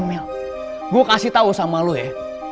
emil gue kasih tau sama lo ya